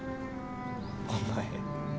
お前。